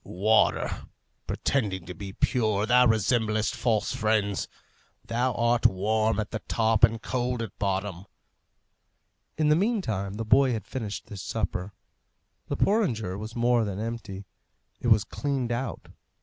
"Water! pretending to be pure, thou resemblest false friends. Thou art warm at the top and cold at bottom." In the meantime the boy had finished his supper. The porringer was more than empty; it was cleaned out.